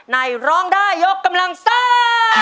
ในร้องได้ยกกำลังสร้าง